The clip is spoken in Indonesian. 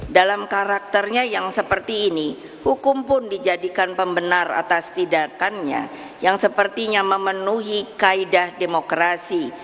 dalam karakternya yang seperti ini hukum pun dijadikan pembenar atas tindakannya yang sepertinya memenuhi kaedah demokrasi